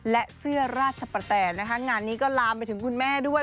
และเสื้อราชปะแตนนะคะงานนี้ก็ลามไปถึงคุณแม่ด้วย